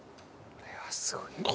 これはすごいな。